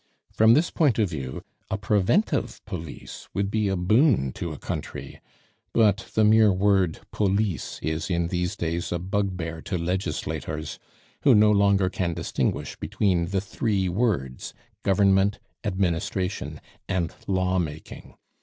From this point of view, a preventive police would be a boon to a country; but the mere word Police is in these days a bugbear to legislators, who no longer can distinguish between the three words Government, Administration, and Law making.